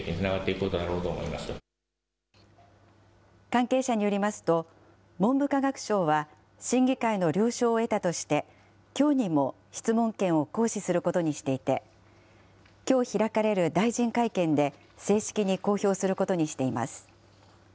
関係者によりますと、文部科学省は審議会の了承を得たとして、きょうにも質問権を行使することにしていて、きょう開かれる大臣会見で、正式に公表することにしています。